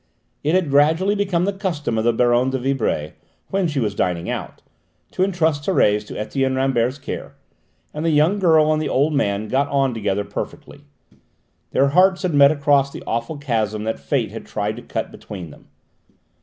It had gradually become the custom of the Baronne de Vibray, when she was dining out, to entrust Thérèse to Etienne Rambert's care, and the young girl and the old man got on together perfectly. Their hearts had met across the awful chasm that fate had tried to cut between them.